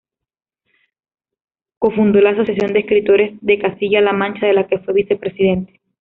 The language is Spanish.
Cofundó la Asociación de Escritores de Castilla-La Mancha, de la que fue vicepresidente.